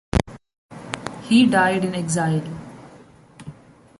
he died in exile.